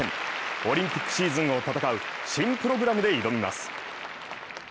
オリンピックシーズンを戦う新プログラムで挑みます。